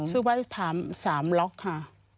ซื้อไปถามสามล็อกค่ะ